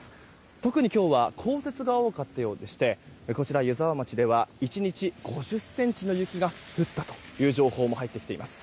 特に今日は降雪が多かったようでしてこちら湯沢町では１日５０ｃｍの雪が降ったという情報も入ってきています。